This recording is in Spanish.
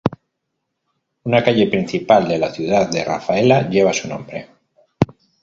Una calle principal de la ciudad de Rafaela lleva su nombre.